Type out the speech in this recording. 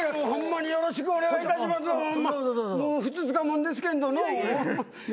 もうふつつか者ですけんどの。